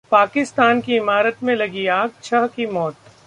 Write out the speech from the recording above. पाकिस्तान की इमारत में लगी आग, छह की मौत